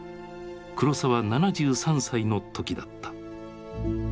黒澤７３歳の時だった。